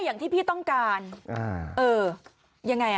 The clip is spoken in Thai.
อย่างที่พี่ต้องการเออยังไงอ่ะ